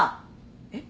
えっ？